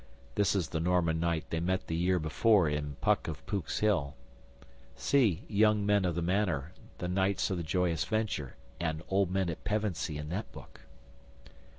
[This is the Norman knight they met the year before in PUCK OF POOK'S HILL. See 'Young Men at the Manor,' 'The Knights of the Joyous Venture,' and 'Old Men at Pevensey,' in that book.